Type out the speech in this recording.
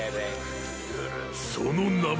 ［その名も］